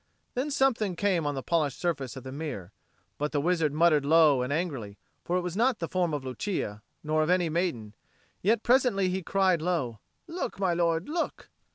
Then something came on the polished surface of the mirror; but the wizard muttered low and angrily, for it was not the form of Lucia nor of any maiden; yet presently he cried low, "Look, my lord, look!"